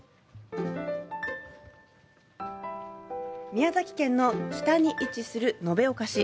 宮崎県の東に位置する延岡市。